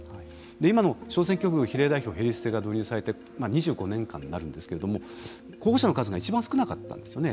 今の小選挙区比例代表並立制が導入されて２５年間になるんですけれども候補者の数がいちばん少なかったんですよね。